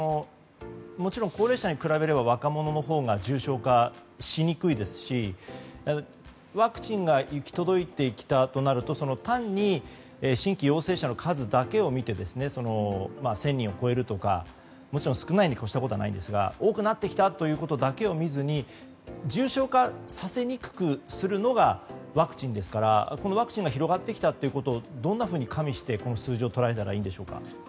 高齢者に比べれば若者のほうが重症化しにくいですしワクチンが行き届いてきたとなると単に、新規陽性者の数だけを見て１０００人を超えるとかもちろん少ないにこしたことはないんですが多くなってきたということだけを見ずに重症化させにくくするのがワクチンですからワクチンが広がってきたことをどんなふうに加味してこの数字を見ればいいでしょうか？